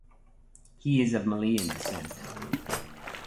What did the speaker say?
He is of Malian descent.